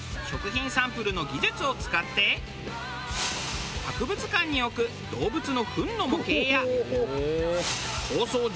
食品サンプルの技術を使って博物館に置く動物の糞の模型や構想